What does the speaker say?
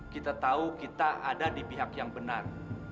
kita tahu kita ada di pihak yang benar